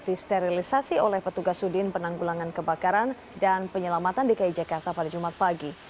disterilisasi oleh petugas sudin penanggulangan kebakaran dan penyelamatan dki jakarta pada jumat pagi